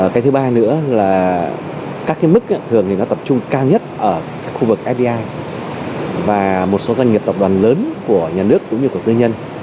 cái thứ ba nữa là các mức thường tập trung cao nhất ở khu vực fbi và một số doanh nghiệp tập đoàn lớn của nhà nước cũng như của tư nhân